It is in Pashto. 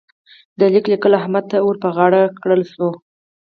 د ليک لیکل احمد ته ور پر غاړه کړل شول.